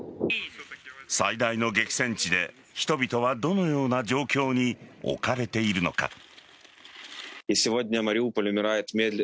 最大の激戦地で人々はどのような状況に置かれているのか。